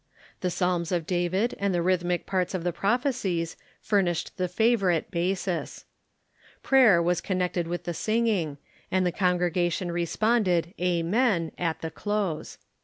The Psalms of David and the rhythmic parts of the prophecies furnished the favorite basis. Prayer was connect ed with the singing, and the congregation responded " Amen " at the close.